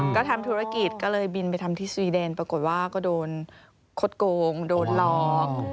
ก็ทำธุรกิจก็เลยบินไปทำที่สวีเดนปรากฏว่าก็โดนคดโกงโดนหลอก